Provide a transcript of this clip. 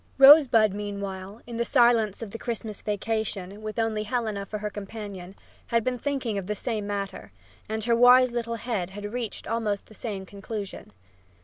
Rosebud, meanwhile, in the silence of the Christmas vacation, with only Helena for her companion, had been thinking of the same matter, and her wise little head had reached almost the same conclusion.